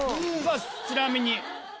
ちなみに。